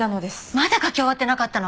まだ書き終わってなかったの？